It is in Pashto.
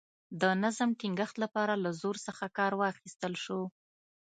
د نظم ټینګښت لپاره له زور څخه کار واخیستل شو.